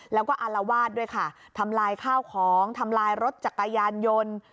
แล้วก็อารวาสด้วยค่ะทำลายข้าวของทำลายรถจักรยานยนต์